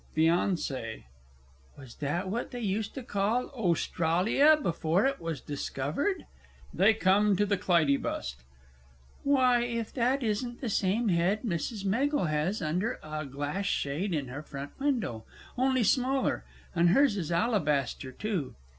FIANCÉE. Was that what they used to call Ostralia before it was discovered? (They come to the Clytie bust.) Why, if that isn't the same head Mrs. Meggles has under a glass shade in her front window, only smaller and hers is alabaster, too!